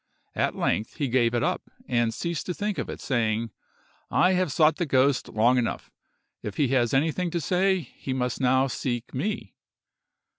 At length, he gave it up, and ceased to think of it, saying, "I have sought the ghost long enough; if he has anything to say, he must now seek me."